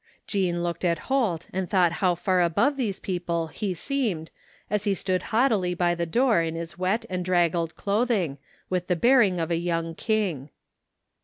Jean looked at Holt, and thought how far above these people he seemed as he stood haughtily by the door in his wet and draggled clothing, with the bearing of a young king.